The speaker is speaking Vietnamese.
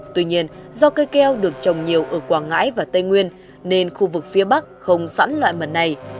tuy nhiên do cây keo được trồng nhiều ở quảng ngãi và tây nguyên nên khu vực phía bắc không sẵn loại mật này